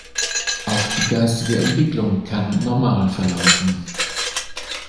Auch die geistige Entwicklung kann normal verlaufen.